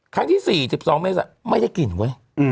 ครั้งที่๔เมษายนไม่ได้กินไว้